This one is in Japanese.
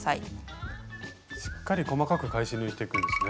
しっかり細かく返し縫いしていくんですね。